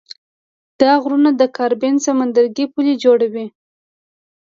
دا غرونه د کارابین سمندرګي پولې جوړوي.